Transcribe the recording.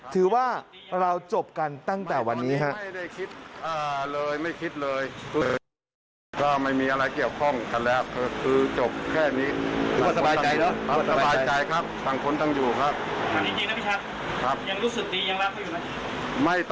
ถือว่าเราจบกันตั้งแต่วันนี้ครับ